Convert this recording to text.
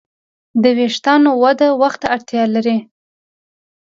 د وېښتیانو وده وخت ته اړتیا لري.